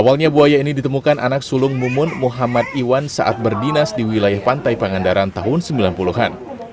awalnya buaya ini ditemukan anak sulung mumun muhammad iwan saat berdinas di wilayah pantai pangandaran tahun sembilan puluh an